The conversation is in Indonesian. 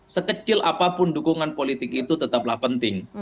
sekecil apapun dukungan politik itu tetaplah penting